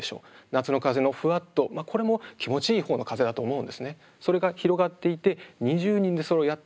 「夏の風」のふわっとこれも気持ちいい方の風だと思うんですね。